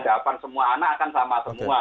jawaban semua anak akan sama semua